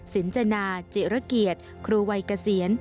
สินจนาจิระเกียรติครูวัยเกษียณ